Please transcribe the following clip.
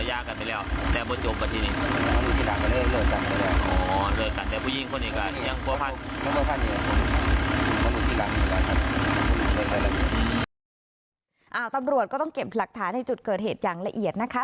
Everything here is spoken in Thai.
ตำรวจก็ต้องเก็บหลักฐานในจุดเกิดเหตุอย่างละเอียดนะคะ